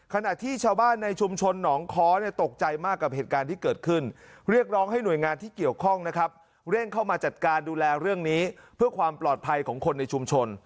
ขณะที่ชาวบ้านในชุมชนหนองค้อตกใจมากกับเหตุการณ์ที่เกิดขึ้นเรียกร้องให้หน่วยงานที่เกี่ยวข้องนะครับเร่งเข้ามาจัดการดูแลเรื่องนี้เพื่อความปลอดภัยของคนในชุมชน